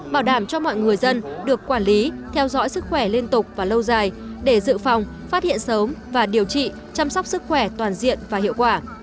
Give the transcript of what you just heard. bảo đảm cho mọi người dân được quản lý theo dõi sức khỏe liên tục và lâu dài để dự phòng phát hiện sớm và điều trị chăm sóc sức khỏe toàn diện và hiệu quả